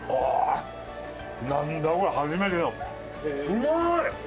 うまい！